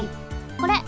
これ。